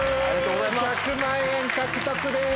１００万円獲得です